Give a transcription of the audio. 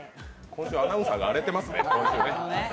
今週アナウンサーが荒れてますね。